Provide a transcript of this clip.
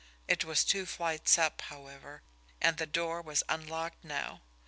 It was two flights up, however and the door was unlocked now.